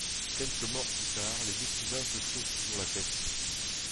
Quelques morts plus tard, les deux cousins se creusent toujours la tête.